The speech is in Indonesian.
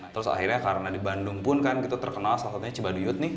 terus akhirnya karena di bandung pun kan gitu terkenal salah satunya cibaduyut nih